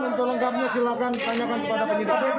untuk lengkapnya silahkan tanyakan kepada penyidik